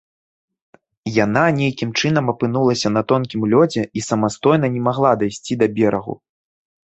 Яна нейкім чынам апынулася на тонкім лёдзе і самастойна не магла дайсці да берагу.